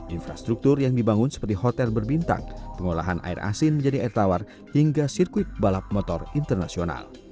infrastruktur yang dibangun seperti hotel berbintang pengolahan air asin menjadi air tawar hingga sirkuit balap motor internasional